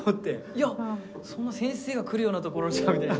「いやそんな先生が来るようなところじゃ」みたいな。